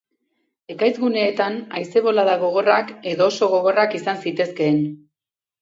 Ekaitz-guneetan, haize-bolada gogorrak edo oso gogorrak izan zitezkeen.